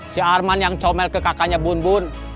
si arman yang comel ke kakaknya bun bun